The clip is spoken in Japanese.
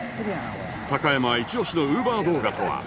高山イチ押しの ＵＶＥＲ 動画とは？